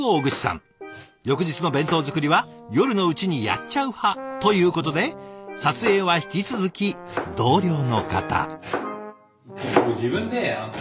翌日の弁当作りは夜のうちにやっちゃう派ということで撮影は引き続き同僚の方。